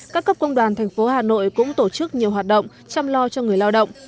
các cấp công đoàn thành phố hà nội cũng tổ chức nhiều hoạt động chăm lo cho người lao động